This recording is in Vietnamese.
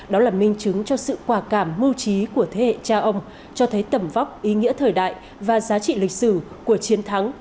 đó là minh chứng cho sự quả cảm mưu trí của thế hệ cha ông cho thấy tầm vóc ý nghĩa thời đại và giá trị lịch sử của chiến thắng